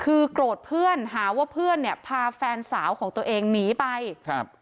คือโกรธเพื่อนหาว่าเพื่อนเนี่ยพาแฟนสาวของตัวเองหนีไปครับ